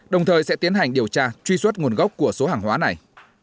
đồng thời sẽ tiến hành điều tra truy xuất nguồn gốc của số hàng hóa này